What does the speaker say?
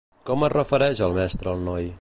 Com es refereix al mestre el noi?